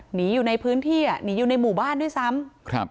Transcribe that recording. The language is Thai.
หนีอยู่ในพื้นที่อ่ะหนีอยู่ในหมู่บ้านด้วยซ้ำ